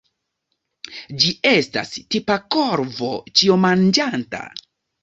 Ĝi estas tipa korvo ĉiomanĝanta.